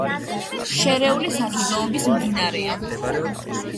შერეული საზრდოობის მდინარეა.